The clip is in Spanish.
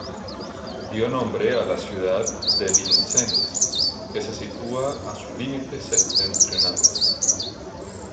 Dio nombre a la ciudad de Vincennes, que se sitúa a su límite septentrional.